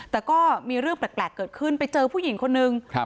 แต่ก็มีเรื่องแปลกเกิดขึ้นไปเจอผู้หญิงคนนึง